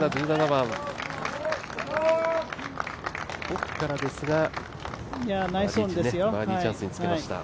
奥からですが、バーディーチャンスにつけました。